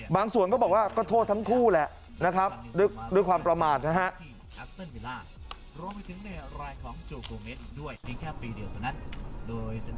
บางส่วนก็บอกว่าก็โทษทั้งคู่แหละด้วยความประมาทนะครับ